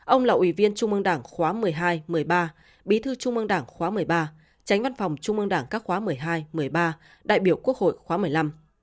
ông là ủy viên trung ương đảng khóa một mươi hai một mươi ba bí thư trung mương đảng khóa một mươi ba tránh văn phòng trung ương đảng các khóa một mươi hai một mươi ba đại biểu quốc hội khóa một mươi năm